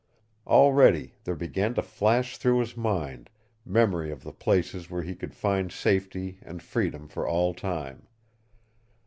Already there began to flash through his mind memory of the places where he could find safety and freedom for all time.